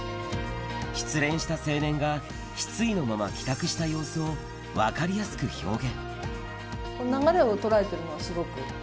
失恋した青年が失意のまま帰宅した様子を、流れを捉えているのはすごく。